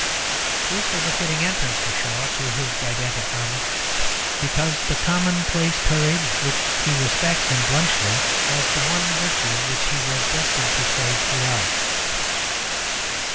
This was a fitting entrance for Shaw to his didactic drama; because the commonplace courage which he respects in Bluntschli was the one virtue which he was destined to praise throughout.